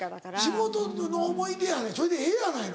仕事の思い出やねんそれでええやないの。